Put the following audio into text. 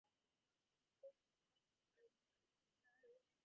This school has a partnership with New York City Outward Bound.